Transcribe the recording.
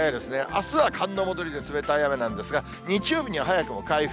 あすは寒の戻りで冷たい雨なんですが、日曜日には早くも回復。